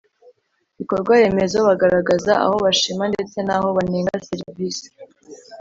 bikorwaremezo bagaragaza aho bashima ndetse n aho banenga Serivisi